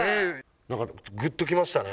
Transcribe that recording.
何かグッときましたね